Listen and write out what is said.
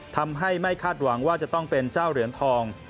ทำให้ไม่คาดหวังว่าจะต้องเป็นเจ้าเหรียญทอง